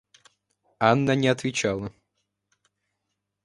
Анна не отвечала.